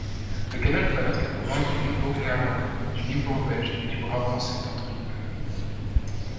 Le canal traverse les provinces du Limbourg néerlandais, du Limbourg belge et du Brabant-Septentrional.